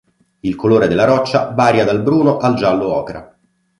Il colore della roccia varia dal bruno al giallo ocra.